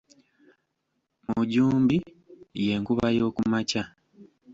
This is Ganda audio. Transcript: Mujumbi ye nkuba y’okumakya.